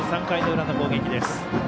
３回の裏の攻撃です。